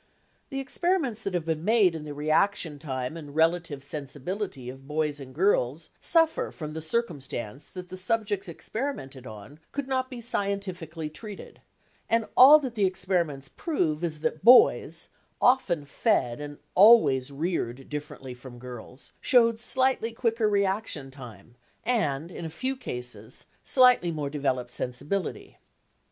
The experiments that have been made in the reaction time and relative sensibility of boys and girls, suffer from the circumstance that the subjects experimented upon could not be scientifically treated, and all that the experiments prove is that boys, often fed and always reared differently from girls, showed slightly quicker reaction time, and, in a few cases, slightly more developed sensibility.